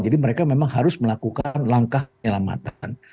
jadi mereka memang harus melakukan langkah penyelamatan